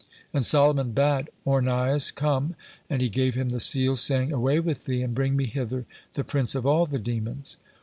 And Solomon bade Ornias come, and he gave him the seal, saying: "Away with thee, and bring me hither the prince of all the demons."